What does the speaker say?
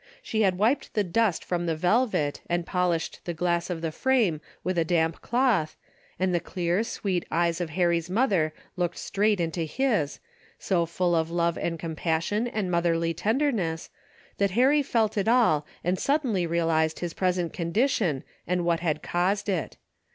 She had wiped the dust from the velvet and pol ished the glass of the frame with a damp cloth, and the clear sweet eyes of Harry's mother looked straight into his, so full of love and compassion and motherly tenderness, that Harry felt it all and suddenly realized his present condition and what had caused it.